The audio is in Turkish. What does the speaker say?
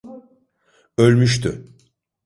Ölmüştü.